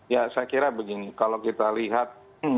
ya saya kira begini kalau kita lihat